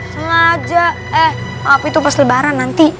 sengaja eh apa itu pas lebaran nanti